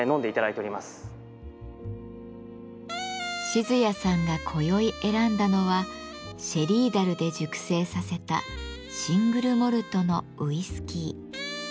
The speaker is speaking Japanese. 静谷さんがこよい選んだのはシェリー樽で熟成させたシングルモルトのウイスキー。